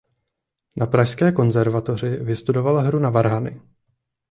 Na Pražské konzervatoři vystudoval hru na varhany.